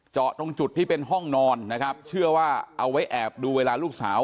ตรงจุดที่เป็นห้องนอนนะครับเชื่อว่าเอาไว้แอบดูเวลาลูกสาว